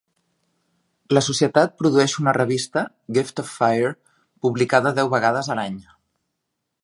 La societat produeix una revista, "Gift of Fire", publicada deu vegades a l'any.